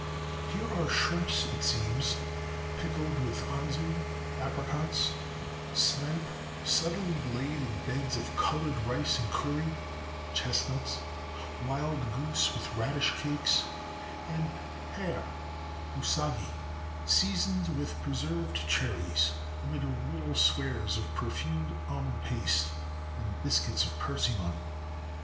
Here are shrimps, it seems, pickled with anzu (apricots), snipe subtly laid in beds of colored rice and kuri (chestnuts) ; wild goose with radish cakes, and hare (usagi), seasoned with preserved cherries amid little squares of perfumed almond paste, and biscuits of persimmon.